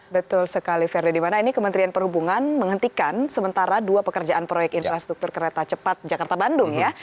betul sekali ferdi dimana ini kementerian perhubungan menghentikan sementara dua pekerjaan proyek infrastruktur kereta cepat jakarta bandung ya